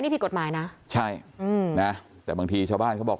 นี่ผิดกฎหมายนะใช่อืมนะแต่บางทีชาวบ้านเขาบอก